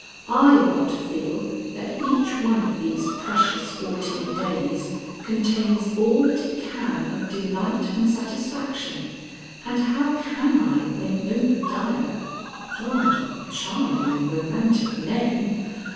I want to feel that each one of these precious fourteen days contains all that it can of delight and satisfaction, and how can I when Obadiah oh, the charming and romantic name!